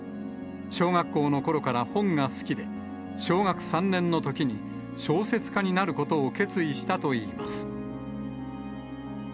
小学校のころから本が好きで、小学３年のときに小説家になることを決意したといいます。